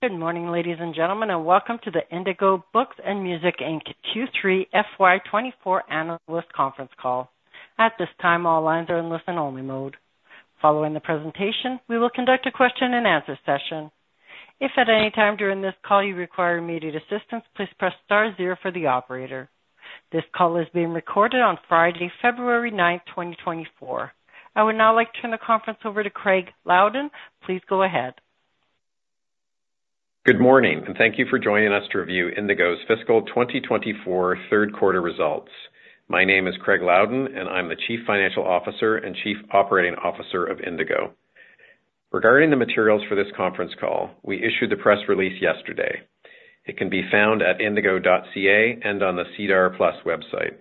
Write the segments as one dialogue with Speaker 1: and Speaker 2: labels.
Speaker 1: Good morning, ladies and gentlemen, and welcome to the Indigo Books & Music Inc. Q3 FY 2024 Analyst Conference Call. At this time, all lines are in listen-only mode. Following the presentation, we will conduct a question-and-answer session. If at any time during this call you require immediate assistance, please press star zero for the operator. This call is being recorded on Friday, February 9th, 2024. I would now like to turn the conference over to Craig Loudon. Please go ahead.
Speaker 2: Good morning, and thank you for joining us to review Indigo's fiscal 2024 third-quarter results. My name is Craig Loudon, and I'm the Chief Financial Officer and Chief Operating Officer of Indigo. Regarding the materials for this conference call, we issued the press release yesterday. It can be found at indigo.ca and on the SEDAR+ website.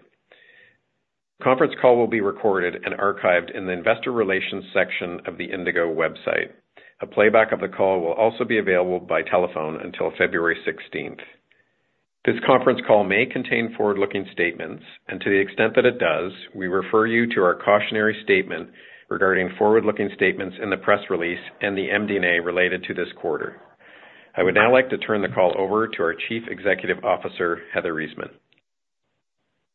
Speaker 2: The conference call will be recorded and archived in the Investor Relations section of the Indigo website. A playback of the call will also be available by telephone until February 16th. This conference call may contain forward-looking statements, and to the extent that it does, we refer you to our cautionary statement regarding forward-looking statements in the press release and the MD&A related to this quarter. I would now like to turn the call over to our Chief Executive Officer, Heather Reisman.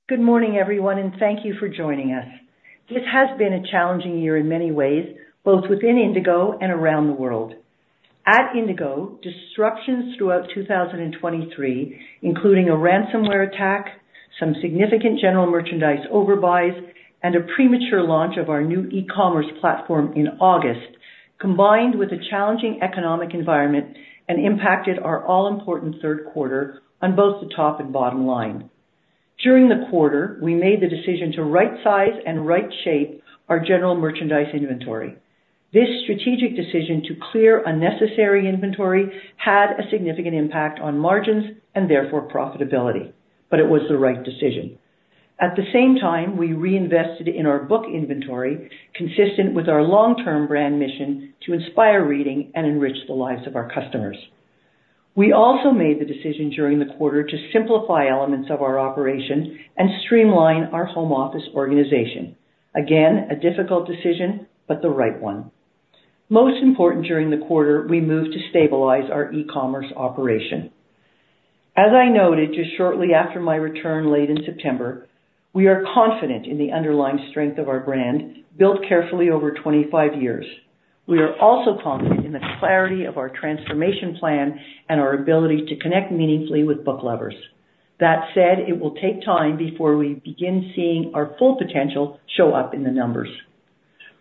Speaker 3: Good morning, everyone, and thank you for joining us. This has been a challenging year in many ways, both within Indigo and around the world. At Indigo, disruptions throughout 2023, including a ransomware attack, some significant general merchandise overbuys, and a premature launch of our new e-commerce platform in August, combined with a challenging economic environment, have impacted our all-important third quarter on both the top and bottom line. During the quarter, we made the decision to right-size and right-shape our general merchandise inventory. This strategic decision to clear unnecessary inventory had a significant impact on margins and therefore profitability, but it was the right decision. At the same time, we reinvested in our book inventory, consistent with our long-term brand mission to inspire reading and enrich the lives of our customers. We also made the decision during the quarter to simplify elements of our operation and streamline our home office organization. Again, a difficult decision, but the right one. Most important during the quarter, we moved to stabilize our e-commerce operation. As I noted just shortly after my return late in September, we are confident in the underlying strength of our brand, built carefully over 25 years. We are also confident in the clarity of our transformation plan and our ability to connect meaningfully with book lovers. That said, it will take time before we begin seeing our full potential show up in the numbers.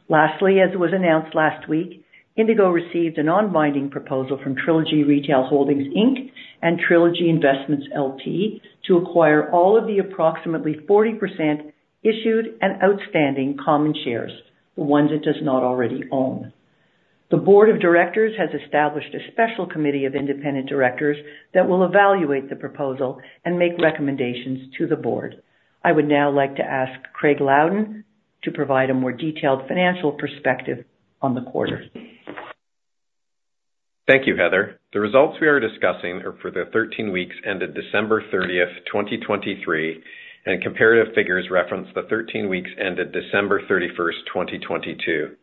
Speaker 3: Lastly, as was announced last week, Indigo received a non-binding proposal from Trilogy Retail Holdings, Inc., and Trilogy Investments L.P., to acquire all of the approximately 40% issued and outstanding common shares, the ones it does not already own. The board of directors has established a special committee of independent directors that will evaluate the proposal and make recommendations to the board. I would now like to ask Craig Loudon to provide a more detailed financial perspective on the quarter.
Speaker 2: Thank you, Heather. The results we are discussing are for the 13 weeks ended December 30th, 2023, and comparative figures reference the 13 weeks ended December 31st, 2022.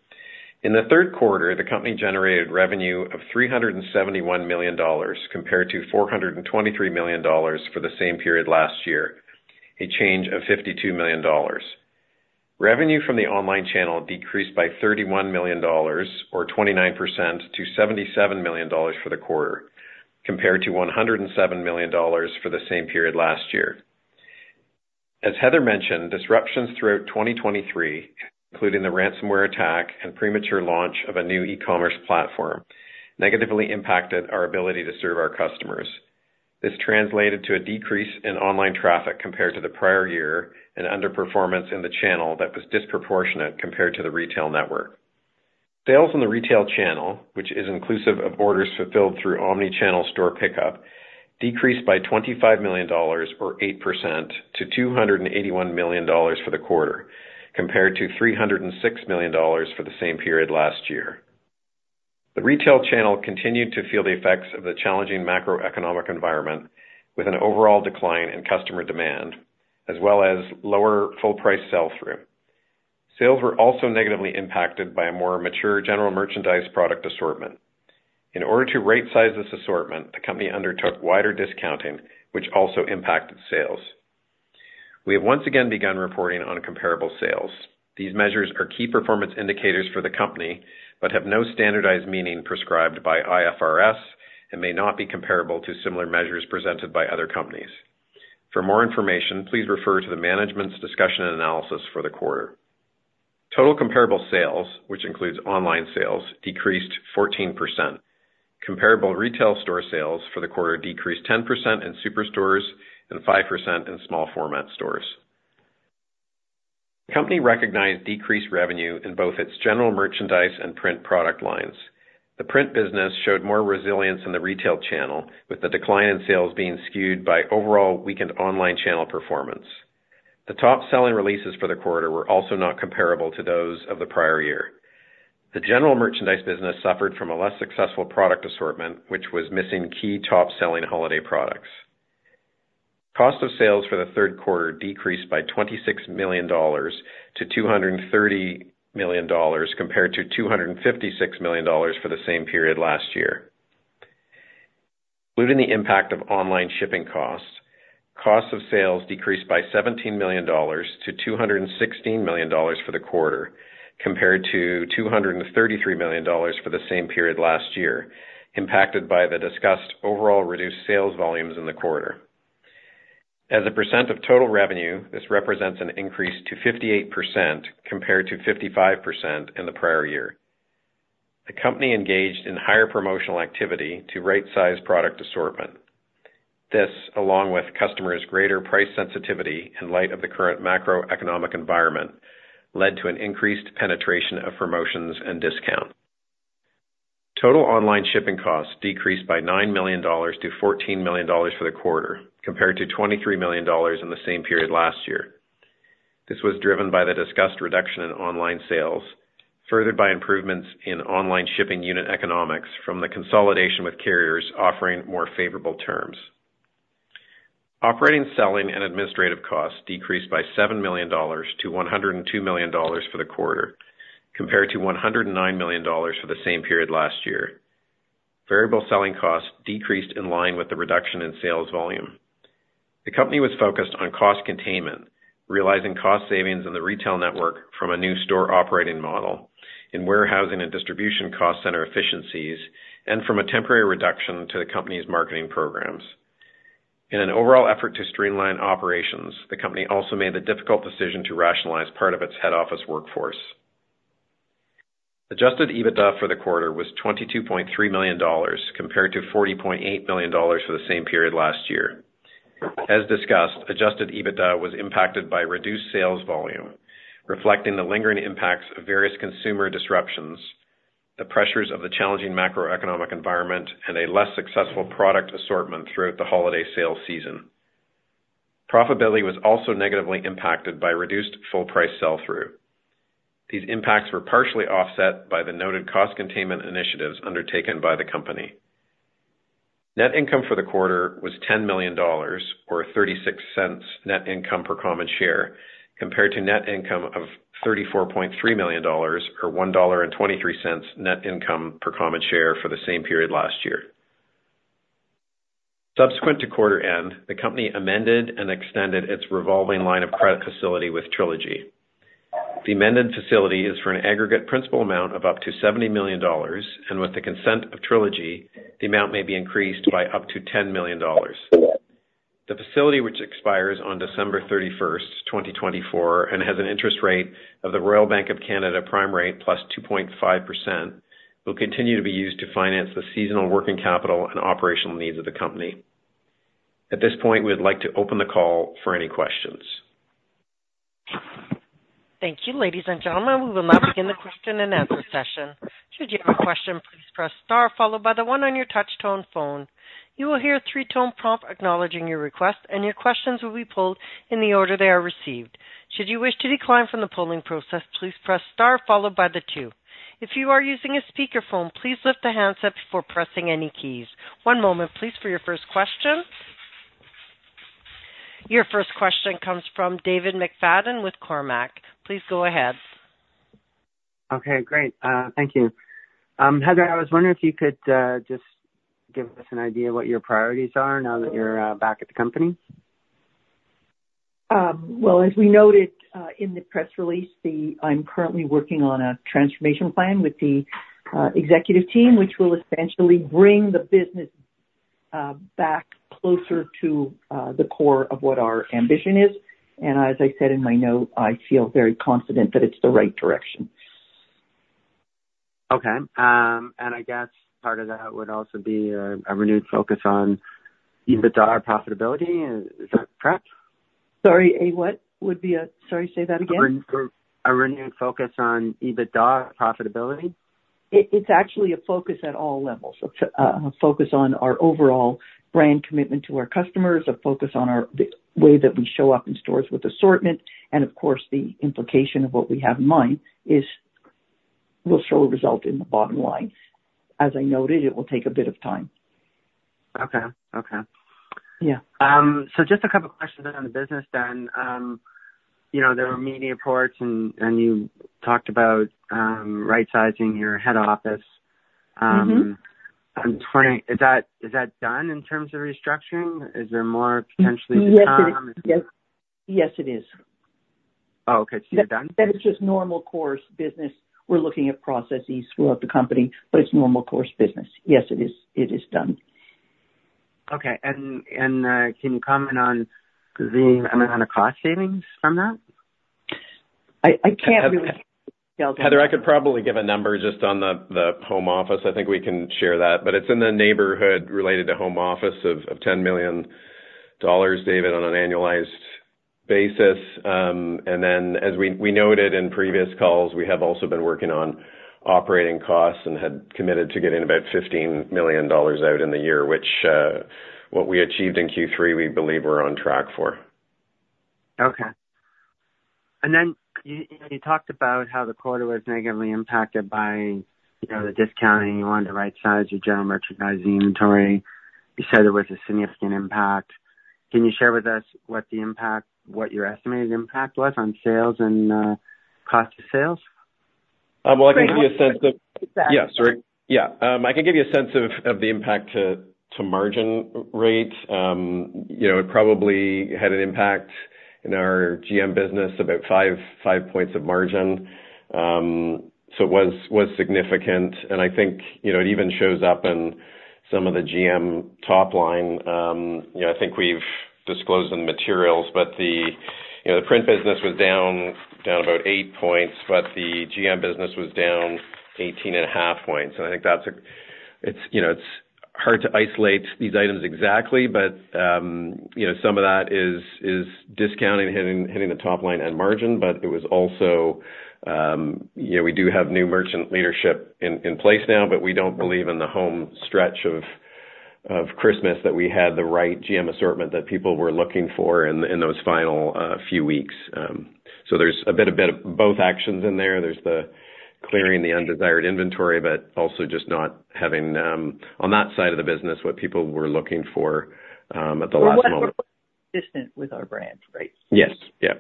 Speaker 2: In the third quarter, the company generated revenue of 371 million dollars compared to 423 million dollars for the same period last year, a change of 52 million dollars. Revenue from the online channel decreased by 31 million dollars, or 29%, to 77 million dollars for the quarter, compared to 107 million dollars for the same period last year. As Heather mentioned, disruptions throughout 2023, including the ransomware attack and premature launch of a new e-commerce platform, negatively impacted our ability to serve our customers. This translated to a decrease in online traffic compared to the prior year and underperformance in the channel that was disproportionate compared to the retail network. Sales on the retail channel, which is inclusive of orders fulfilled through omnichannel store pickup, decreased by 25 million dollars, or 8%, to 281 million dollars for the quarter, compared to 306 million dollars for the same period last year. The retail channel continued to feel the effects of the challenging macroeconomic environment with an overall decline in customer demand, as well as lower full-price sell-through. Sales were also negatively impacted by a more mature general merchandise product assortment. In order to right-size this assortment, the company undertook wider discounting, which also impacted sales. We have once again begun reporting on comparable sales. These measures are key performance indicators for the company but have no standardized meaning prescribed by IFRS and may not be comparable to similar measures presented by other companies. For more information, please refer to the management's discussion and analysis for the quarter. Total comparable sales, which includes online sales, decreased 14%. Comparable retail store sales for the quarter decreased 10% in superstores and 5% in small-format stores. The company recognized decreased revenue in both its general merchandise and print product lines. The print business showed more resilience in the retail channel, with the decline in sales being skewed by overall weakened online channel performance. The top-selling releases for the quarter were also not comparable to those of the prior year. The general merchandise business suffered from a less successful product assortment, which was missing key top-selling holiday products. Cost of sales for the third quarter decreased by 26 million dollars to 230 million dollars, compared to 256 million dollars for the same period last year. Including the impact of online shipping costs, cost of sales decreased by 17 million dollars to 216 million dollars for the quarter, compared to 233 million dollars for the same period last year, impacted by the discussed overall reduced sales volumes in the quarter. As a percent of total revenue, this represents an increase to 58%, compared to 55% in the prior year. The company engaged in higher promotional activity to right-size product assortment. This, along with customers' greater price sensitivity in light of the current macroeconomic environment, led to an increased penetration of promotions and discounts. Total online shipping costs decreased by 9 million dollars to 14 million dollars for the quarter, compared to 23 million dollars in the same period last year. This was driven by the discussed reduction in online sales, furthered by improvements in online shipping unit economics from the consolidation with carriers offering more favorable terms. Operating selling and administrative costs decreased by 7 million dollars to 102 million dollars for the quarter, compared to 109 million dollars for the same period last year. Variable selling costs decreased in line with the reduction in sales volume. The company was focused on cost containment, realizing cost savings in the retail network from a new store operating model, in warehousing and distribution cost center efficiencies, and from a temporary reduction to the company's marketing programs. In an overall effort to streamline operations, the company also made the difficult decision to rationalize part of its head office workforce. Adjusted EBITDA for the quarter was 22.3 million dollars, compared to 40.8 million dollars for the same period last year. As discussed, adjusted EBITDA was impacted by reduced sales volume, reflecting the lingering impacts of various consumer disruptions, the pressures of the challenging macroeconomic environment, and a less successful product assortment throughout the holiday sale season. Profitability was also negatively impacted by reduced full-price sell-through. These impacts were partially offset by the noted cost containment initiatives undertaken by the company. Net income for the quarter was 10 million dollars, or 0.36 net income per common share, compared to net income of 34.3 million dollars, or 1.23 dollar net income per common share for the same period last year. Subsequent to quarter end, the company amended and extended its revolving line of credit facility with Trilogy. The amended facility is for an aggregate principal amount of up to 70 million dollars, and with the consent of Trilogy, the amount may be increased by up to 10 million dollars. The facility, which expires on December 31st, 2024, and has an interest rate of the Royal Bank of Canada prime rate plus 2.5%, will continue to be used to finance the seasonal working capital and operational needs of the company. At this point, we would like to open the call for any questions.
Speaker 1: Thank you, ladies and gentlemen. We will now begin the question-and-answer session. Should you have a question, please press star, followed by the one on your touch-tone phone. You will hear a three-tone prompt acknowledging your request, and your questions will be pulled in the order they are received. Should you wish to decline from the polling process, please press star, followed by the two. If you are using a speakerphone, please lift the handset before pressing any keys. One moment, please, for your first question. Your first question comes from David McFadgen with Cormark. Please go ahead.
Speaker 4: Okay, great. Thank you. Heather, I was wondering if you could just give us an idea of what your priorities are now that you're back at the company.
Speaker 3: Well, as we noted in the press release, I'm currently working on a transformation plan with the executive team, which will essentially bring the business back closer to the core of what our ambition is. I said in my note, I feel very confident that it's the right direction.
Speaker 4: Okay. And I guess part of that would also be a renewed focus on EBITDA or profitability. Is that correct?
Speaker 3: Sorry, say that again.
Speaker 4: A renewed focus on EBITDA or profitability?
Speaker 3: It's actually a focus at all levels. A focus on our overall brand commitment to our customers, a focus on the way that we show up in stores with assortment, and of course, the implication of what we have in mind will show a result in the bottom line. As I noted, it will take a bit of time.
Speaker 4: Okay. Okay. Just a couple of questions then on the business then. There were media reports, and you talked about right-sizing your head office. Is that done in terms of restructuring? Is there more potentially to come?
Speaker 3: Yes, it is. Yes, it is.
Speaker 4: Oh, okay. So you're done?
Speaker 3: That is just normal course business. We're looking at processes throughout the company, but it's normal course business. Yes, it is done.
Speaker 4: Okay. And can you comment on the amount of cost savings from that?
Speaker 3: I can't really tell.
Speaker 2: Heather, I could probably give a number just on the home office. I think we can share that. It's in the neighborhood related to home office of 10 million dollars, David, on an annualized basis. Then, as we noted in previous calls, we have also been working on operating costs and had committed to getting about 15 million dollars out in the year, which what we achieved in Q3, we believe we're on track for.
Speaker 4: Okay. And then you talked about how the quarter was negatively impacted by the discounting. You wanted to right-size your general merchandising inventory. You said there was a significant impact. Can you share with us what your estimated impact was on sales and cost of sales?
Speaker 2: Well, I can give you a sense of the impact to margin rate. It probably had an impact in our GM business, about 5 points of margin. So it was significant. And I think it even shows up in some of the GM top line. I think we've disclosed in the materials, but the print business was down about 8 points, but the GM business was down 18.5 points. And I think it's hard to isolate these items exactly, but some of that is discounting and hitting the top line and margin. But it was also, we do have new merchant leadership in place now, but we don't believe in the home stretch of Christmas that we had the right GM assortment that people were looking for in those final few weeks. There's a bit of both actions in there. There's the clearing undesired inventory, but also just not having on that side of the business what people were looking for at the last moment.
Speaker 3: Well, that was consistent with our brand, right?
Speaker 2: Yes. Yeah.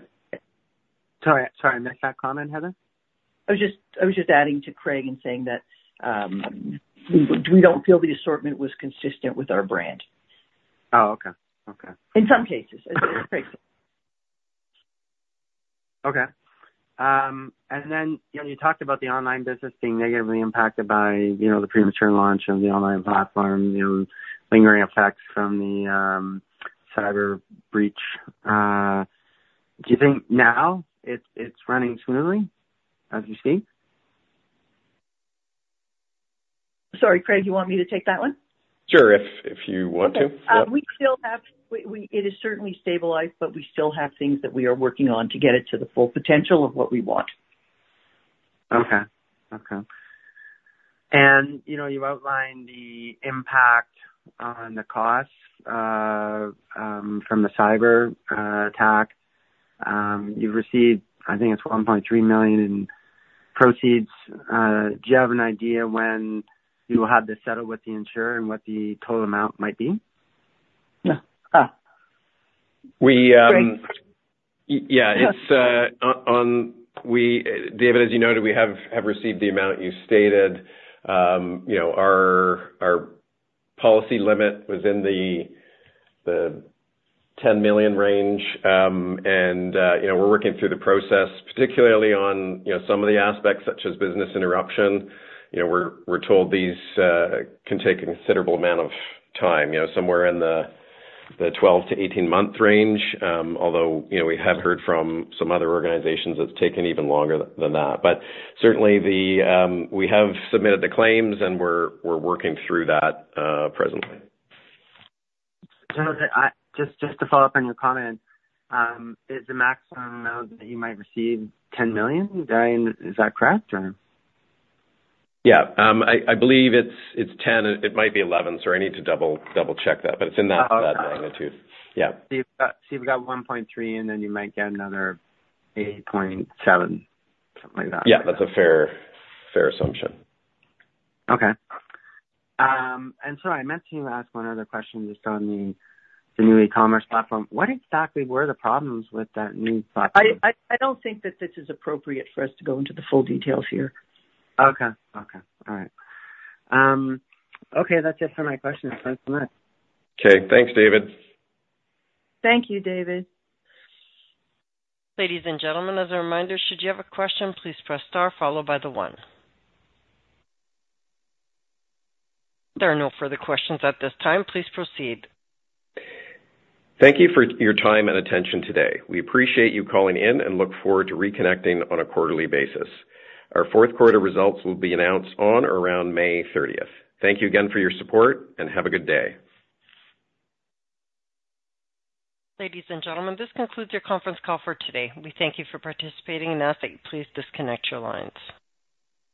Speaker 4: Sorry. I missed that comment, Heather.
Speaker 3: I was just adding to Craig and saying that we don't feel the assortment was consistent with our brand.
Speaker 4: Oh, okay. Okay.
Speaker 3: In some cases, as Craig said.
Speaker 4: Okay. And then you talked about the online business being negatively impacted by the premature launch of the online platform, lingering effects from the cyber breach. Do you think now it's running smoothly as you see?
Speaker 3: Sorry, Craig, you want me to take that one?
Speaker 2: Sure, if you want to.
Speaker 3: Okay. We still have it. It is certainly stabilized, but we still have things that we are working on to get it to the full potential of what we want.
Speaker 4: Okay. Okay. And you outlined the impact on the costs from the cyber attack. You've received, I think it's 1.3 million in proceeds. Do you have an idea when you will have to settle with the insurer and what the total amount might be?
Speaker 3: Yeah.
Speaker 2: David, as you noted, we have received the amount you stated. Our policy limit was in the 10 million range, and we're working through the process, particularly on some of the aspects such as business interruption. We're told these can take a considerable amount of time, somewhere in the 12- to 18-month range, although we have heard from some other organizations that's taken even longer than that. Certainly, we have submitted the claims, and we're working through that presently.
Speaker 4: Just to follow up on your comment, is the maximum amount that you might receive 10 million then Is that correct, or?
Speaker 2: Yeah. I believe it's 10 million. It might be 11 million, so I need to double-check that. But it's in that magnitude. Yeah.
Speaker 4: You've got 1.3 million, and then you might get another 8.7 million, something like that.
Speaker 2: Yeah. That's a fair assumption.
Speaker 4: Okay. And sorry, I meant to ask one other question just on the new e-commerce platform. What exactly were the problems with that new platform?
Speaker 3: I don't think that this is appropriate for us to go into the full details here.
Speaker 4: Okay. Okay. All right. Okay. That's it for my questions. Thanks so much.
Speaker 2: Okay. Thanks, David.
Speaker 3: Thank you, David.
Speaker 1: Ladies and gentlemen, as a reminder, should you have a question, please press star, followed by the one. There are no further questions at this time. Please proceed.
Speaker 2: Thank you for your time and attention today. We appreciate you calling in and look forward to reconnecting on a quarterly basis. Our fourth quarter results will be announced on or around May 30th. Thank you again for your support, and have a good day.
Speaker 1: Ladies and gentlemen, this concludes your conference call for today. We thank you for participating with us. Please disconnect your lines.